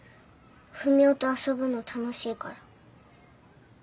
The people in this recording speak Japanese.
ふみおと遊ぶの楽しいから。